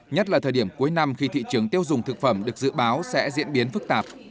nhất là thời điểm cuối năm khi thị trường tiêu dùng thực phẩm được dự báo sẽ diễn biến phức tạp